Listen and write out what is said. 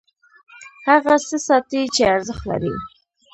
هغه څه ساتي چې ارزښت لري.